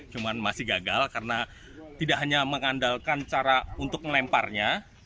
cuma masih gagal karena tidak hanya mengandalkan cara untuk melemparnya